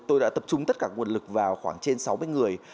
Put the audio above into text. tôi đã tập trung tất cả nguồn lực vào khoảng trên sáu mươi người